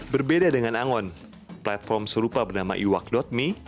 berbeda dengan angon platform serupa bernama iwak me